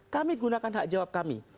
kami gunakan hak jawab kami